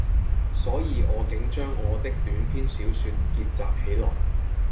所以我竟將我的短篇小說結集起來，